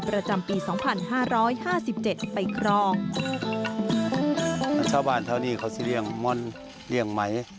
ประจำปี๒๕๕๗ไปครอง